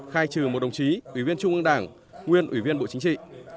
khai trừ một đồng chí ủy viên trung ương đảng nguyên ủy viên bộ chính trị